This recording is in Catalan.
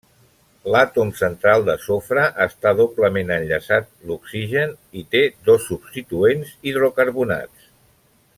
L'àtom central de sofre està doblement enllaçat l'oxigen i té dos substituents hidrocarbonats.